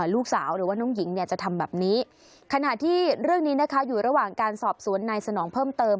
หรือว่าน้องหญิงเนี่ยจะทำแบบนี้ขณะที่เรื่องนี้นะคะอยู่ระหว่างการสอบสวนนายสนองเพิ่มเติม